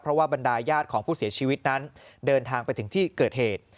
เพราะว่าบรรดาญาติของผู้เสียชีวิตนั้นเดินทางไปถึงที่เกิดเหตุ